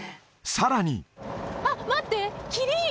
さらにあっ待ってキリン！